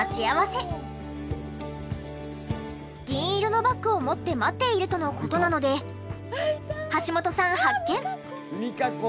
銀色のバッグを持って待っているとの事なので橋本さん発見！美加子。